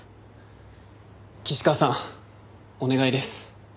岸川さんお願いです。